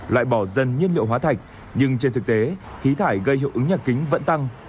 loại bỏ dần nhiên liệu hóa thạch nhưng trên thực tế khí thải gây hiệu ứng nhà kính vẫn tăng